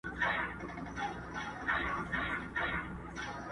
خلګ ياران نه په لسټوني کي ماران ساتي،